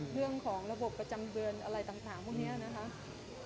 เรื่องของระบบประจำเดือนอะไรต่างพวกนี้นะคะ